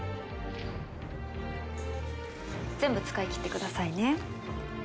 全部使い切ってくださいね。